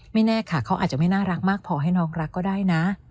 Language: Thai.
แน่ค่ะเขาอาจจะไม่น่ารักมากพอให้น้องรักก็ได้นะ